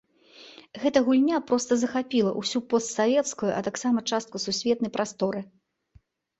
Гэта гульня проста захапіла ўсю постсавецкую, а таксама частку сусветнай прасторы.